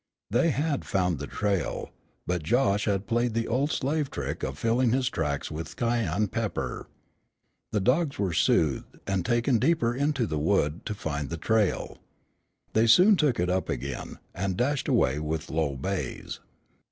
They had found the trail, but Josh had played the old slave trick of filling his tracks with cayenne pepper. The dogs were soothed, and taken deeper into the wood to find the trail. They soon took it up again, and dashed away with low bays.